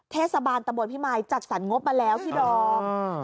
เทศบาลตะบนพิมายจัดสรรงบมาแล้วพี่ดอม